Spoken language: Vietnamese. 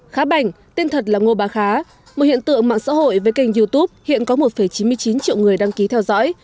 khá bảnh tên thật là ngô bà khá một hiện tượng mạng xã hội với kênh youtube hiện có một chín mươi chín triệu người đăng ký theo dõi